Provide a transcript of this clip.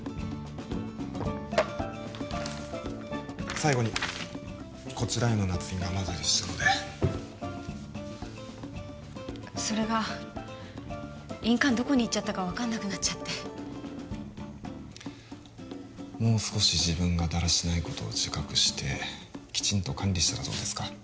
最後にこちらへの捺印がまだでしたのでそれが印鑑どこにいっちゃったか分かんなくなっちゃってもう少し自分がだらしないことを自覚してきちんと管理したらどうですか？